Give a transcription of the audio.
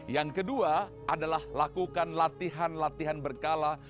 yang kedua adalah lakukan latihan latihan berkala